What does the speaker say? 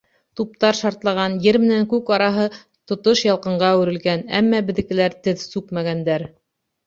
Туптар шартлаған, ер менән күк араһы тотош ялҡынға әүерелгән, әммә беҙҙекеләр теҙ сүкмәгәндәр.